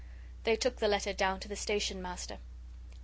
They took the letter down to the Station Master.